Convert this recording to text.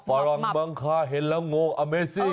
ความหมับขอบคุณค่ะเห็นแล้วโง่อัมเมซิง